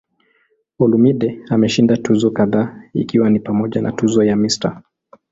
Olumide ameshinda tuzo kadhaa ikiwa ni pamoja na tuzo ya "Mr.